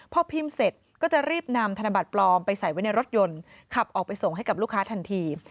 พอพิมพ์เสร็จก็จะรีบนำธนบัตรปลอมไปใส่ไว้ในรถยนต์ขับออกไปส่งให้กับลูกค้าทันที